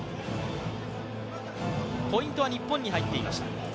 ポイントは日本に入っていました。